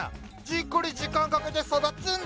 じっくり時間かけて育つんダヨ。